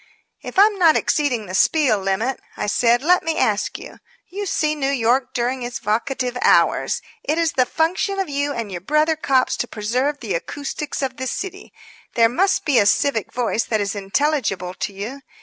"If I'm not exceeding the spiel limit," I said, "let me ask you. You see New York during its vocative hours. It is the function of you and your brother cops to preserve the acoustics of the city. There must be a civic voice that is intelligible to you.